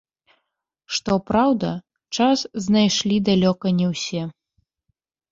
Што праўда, час знайшлі далёка не ўсе.